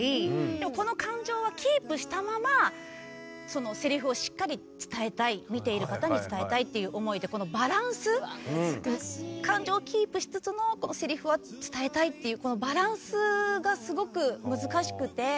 でもこの感情はキープしたまませりふをしっかり、見ている方に伝えたいという思いで感情をキープしつつもせりふは伝えたいというこのバランスがすごく難しくて。